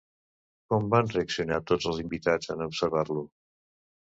Com van reaccionar tots els invitats en observar-lo?